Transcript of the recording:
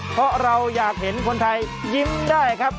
เพราะเราอยากเห็นคนไทยยิ้มได้ครับ